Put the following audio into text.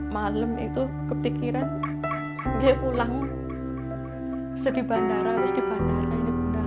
malam itu kepikiran dia pulang bisa di bandara harus di bandara ini mudah